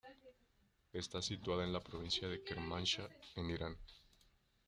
Está situada en la provincia de Kermanshah, en Irán.